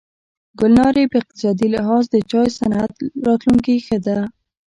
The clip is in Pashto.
ګلنارې په اقتصادي لحاظ د چای صنعت راتلونکې ښه لیده.